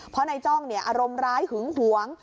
เพราะนายจ้องอารมณ์ร้ายหึงหวง